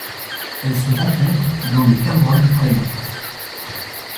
Elle se rencontre dans les Cameron Highlands.